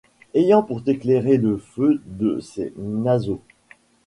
Ayant pour t’éclairer le feu de ses naseaux